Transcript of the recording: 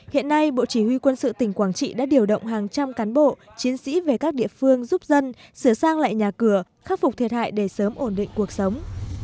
hiện nay bộ chỉ huy quân sự tỉnh quảng trị đã điều động hàng trăm cán bộ chiến sĩ về các địa phương giúp dân sửa sang lại nhà cửa khắc phục thiệt hại để sớm ổn định cuộc sống